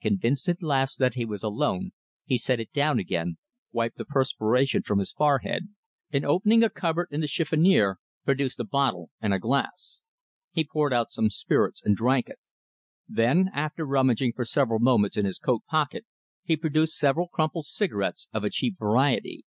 Convinced at last that he was alone, he set it down again, wiped the perspiration from his forehead, and opening a cupboard in the chiffonnier, produced a bottle and a glass. He poured out some spirits and drank it. Then, after rummaging for several moments in his coat pocket, he produced several crumpled cigarettes of a cheap variety.